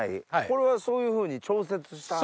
これはそういうふうに調節した？